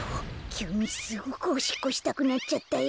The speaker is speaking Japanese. きゅうにすごくおしっこしたくなっちゃったよ。